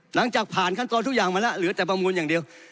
หลังจากผ่านขั้นตอนทุกอย่างมาแล้วเหลือแต่ประมูลอย่างเดียว